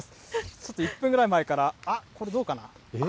ちょっと１分ぐらい前から、あっ、これ、どうかな。